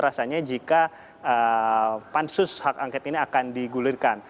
rasanya jika pansus hak angket ini akan digulirkan